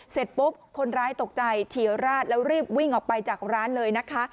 เสร็จปุ๊บคนร้ายตกใจเฉียวราดแล้วรีบวิ่งออกไปจากร้านเลยนะคะ